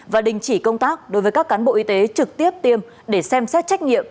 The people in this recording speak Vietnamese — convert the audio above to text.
và đình chỉ công tác đối với các cán bộ y tế trực tiếp tiêm để xem xét trách nhiệm